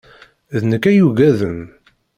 D nekk ay yugaden.